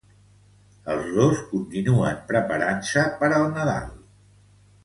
Els dos continuen preparant-se per al Nadal.